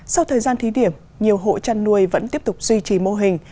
sau thời gian thí điểm nhiều hộ chăn nuôi vẫn tiếp tục duy trì mô hình